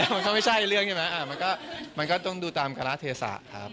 มันก็ไม่ใช่เรื่องแง่มันมันก็มันก็ต้องดูตามกราศเทศะครับ